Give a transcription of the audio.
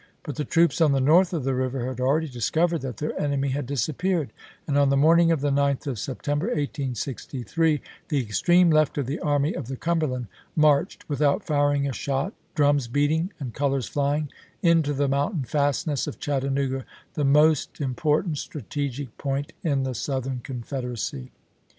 But the troops on the north of the river had already discovered that their enemy had disappeared, and on the morn ing of the 9th of September, 1863, the extreme left of the Army of the Cumberland marched, without firing a shot, drums beating and colors flying, into the mountain fastness of Chattanooga, the most important strategic point in the Southern Confederacy.